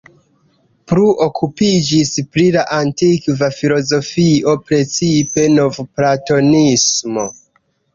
Plu okupiĝis pri la antikva filozofio, precipe novplatonismo.